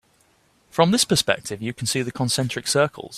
From this perspective you can see the concentric circles.